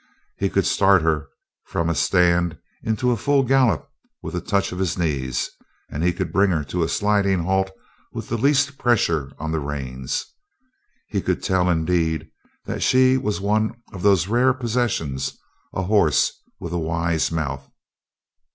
He could start her from a stand into a full gallop with a touch of his knees, and he could bring her to a sliding halt with the least pressure on the reins. He could tell, indeed, that she was one of those rare possessions, a horse with a wise mouth.